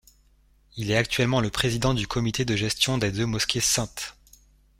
Il est actuellement le président du comité de gestion des deux mosquées saintes.